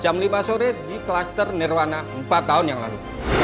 jam lima sore di kluster nirwana empat tahun yang lalu